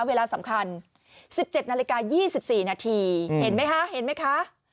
เวลาสำคัญ๑๗นาฬิกา๒๔นาทีเห็นไหมคะ